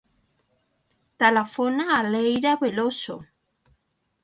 Telefona a l'Eyra Veloso.